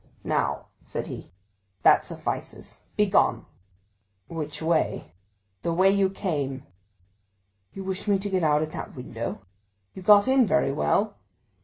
"Now," said he, "that suffices—begone!" "Which way?" "The way you came." "You wish me to get out at that window?" "You got in very well."